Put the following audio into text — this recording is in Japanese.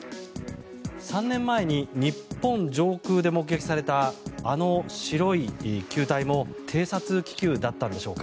３年前に日本上空で目撃されたあの白い球体も偵察気球だったんでしょうか。